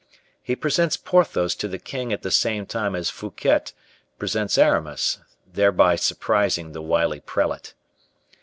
He presents Porthos to the king at the same time as Fouquet presents Aramis, thereby surprising the wily prelate.